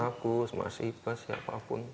mas agus mas ibas siapapun